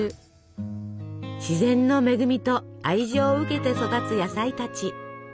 自然の恵みと愛情を受けて育つ野菜たち。